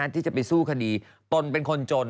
ที่จะไปสู้คดีตนเป็นคนจน